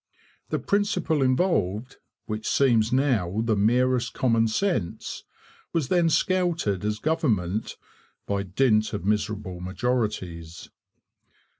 The principle involved, which seems now the merest common sense, was then scouted as government 'by dint of miserable majorities.'